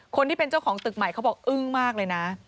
คนที่เป็นเจ้าของตึกใหม่เขาบอกอึ้งมากเลยนะ